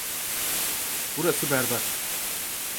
Burası berbat.